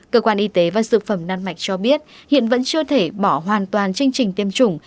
cơ quan y tế và dược phẩm đan mạch cho biết hiện vẫn chưa thể bỏ hoàn toàn chương trình tiêm chủng